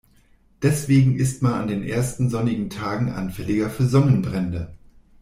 Deswegen ist man an den ersten sonnigen Tagen anfälliger für Sonnenbrände.